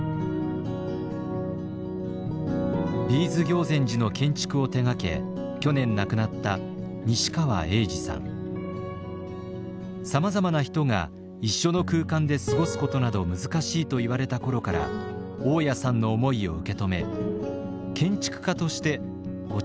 Ｂ’ｓ行善寺の建築を手がけ去年亡くなったさまざまな人が一緒の空間で過ごすことなど難しいと言われた頃から雄谷さんの思いを受け止め建築家として「ごちゃまぜ」の器を実現してくれました。